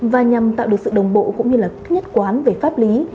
và nhằm tạo được sự đồng bộ cũng như là nhất quán về pháp lý